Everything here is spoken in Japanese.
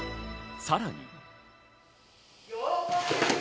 さらに。